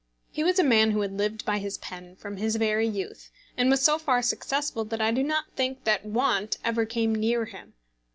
He was a man who had lived by his pen from his very youth; and was so far successful that I do not think that want ever came near him.